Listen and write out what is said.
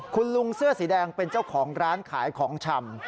คุณลุงเสื้อสีแดงเป็นเจ้าของร้านขายของชำ